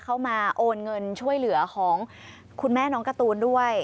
มาโอนเงินช่วยเหลือของคุณแม่น้องการ์ตูนด้วย